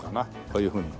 こういうふうに。